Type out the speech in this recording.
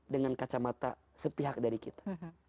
dengan kacamata sepihak dari kita